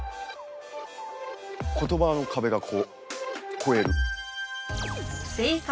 言葉の壁がこう越える。